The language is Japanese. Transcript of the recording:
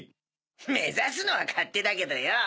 目指すのは勝手だけどよぉ！